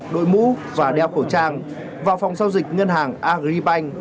đội mũ và đeo khẩu trang vào phòng giao dịch ngân hàng agribank